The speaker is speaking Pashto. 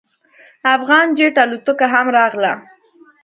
افغان جیټ الوتکه هم راغله.